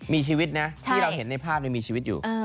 มีชีวิตนะที่เราเห็นในภาพมีชีวิตอยู่